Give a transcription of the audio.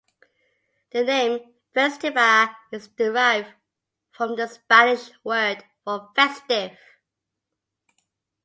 The name "Festiva" is derived from the Spanish word for "festive".